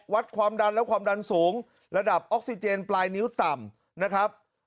วัดความดันและความดันสูงระดับออกซิเจนปลายนิ้วต่ำนะครับ